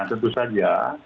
nah tentu saja